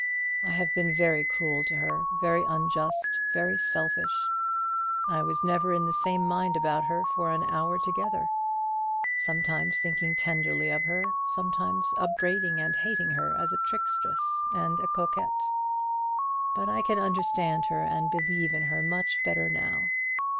I have been very cruel to her, very unjust, very selfish. I was never in the same mind about her for an hour together, sometimes thinking tenderly of her, sometimes upbraiding and hating her as a trickstress and a coquette. But I can understand her and believe in her much better now.